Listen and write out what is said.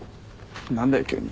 何だよ急に。